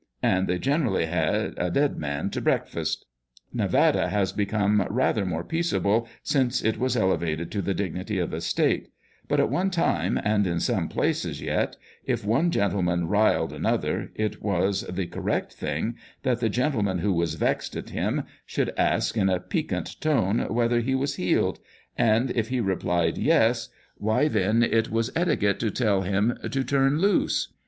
And they generally had " a dead man to breakfast." Nevada has be come rather more peaceable since it was ele vated to the dignity of a stat e ; but at one time, and in some places yet, if one gentleman " riled" another, it was the correct thing that the gentleman who was vexed at him should ask in a piquant tone whether he was " heeled" — and if he replied, Yes, why then it was cti 492 [October 31, 186S.] ALL THE TEAR ROUND. [Conducted by quelte to tell him to "turn loose."